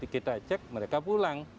kita cek mereka pulang